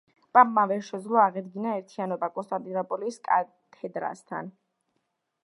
პაპმა ვერ შეძლო აღედგინა ერთიანობა კონსტანტინოპოლის კათედრასთან.